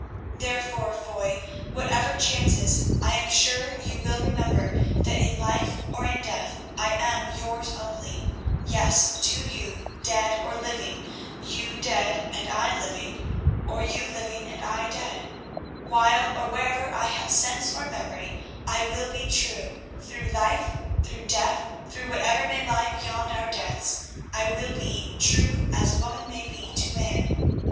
Therefore, Foy, whatever chances, I am sure you will remember that in life or in death I am yours only—yes, to you, dead or living, you dead and I living, or you living and I dead, while or wherever I have sense or memory, I will be true; through life, through death, through whatever may lie beyond our deaths, I will be true as woman may be to man.